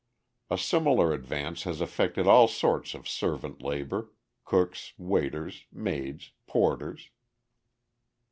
A similar advance has affected all sorts of servant labour cooks, waiters, maids, porters.